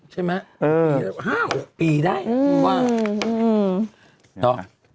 ใช่ไหม๕หรือ๖ปีได้มั้ย